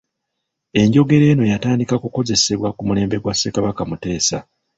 Enjogera eno yatandika kukozesebwa ku mulembe gwa Ssekabaka Muteesa.